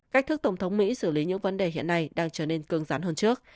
cách thức tổng thống mỹ xử lý những vấn đề hiện nay đang trở nên cương rắn hơn trước